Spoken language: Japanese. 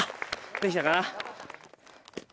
できたかな？